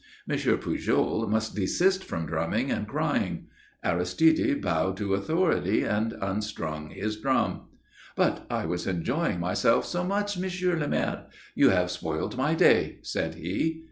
Monsieur Pujol must desist from drumming and crying. Aristide bowed to authority and unstrung his drum. "But I was enjoying myself so much, Monsieur le Maire. You have spoiled my day," said he.